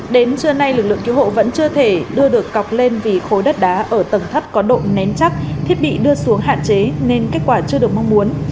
đến trưa nay lực lượng cứu hộ vẫn chưa thể đưa được cọc lên vì khối đất đá ở tầng thấp có độ nén chắc thiết bị đưa xuống hạn chế nên kết quả chưa được mong muốn